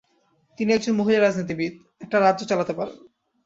তিনি একজন মহিলা রাজনীতিবিদ্, একটা রাজ্য চালাতে পারেন।